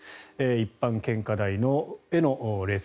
一般献花台への列。